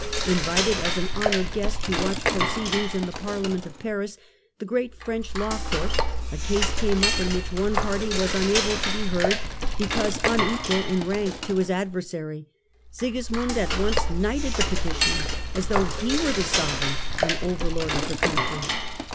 Invited as an honoured guest to watch proceedings in the Parliament of Paris, the great French law court, a case came up in which one party was unable to be heard because unequal in rank to his adversary. Sigismund at once knighted the petitioner, as though he were the sovereign and overlord of the country.